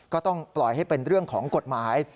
ก็ต้องปล่อยให้เป็นเรื่องของกฎหมาย